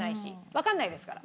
わかんないですから。